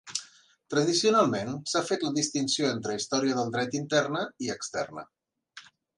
Tradicionalment, s'ha fet la distinció entre Història del Dret interna i externa.